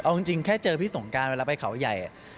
เอาจริงแค่เจอพี่สงการเวลาไปเขาใหญ่